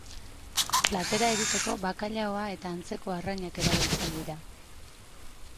Platera egiteko bakailaoa eta antzekoak arrainak erabiltzen dira.